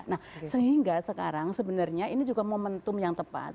nah sehingga sekarang sebenarnya ini juga momentum yang tepat